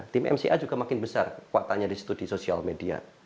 tim mca juga makin besar kekuatannya di situ di sosial media